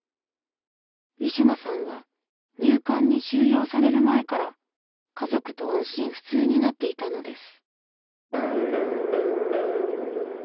ウィシュマさんは入管に収容される前から家族と音信不通になっていたのです。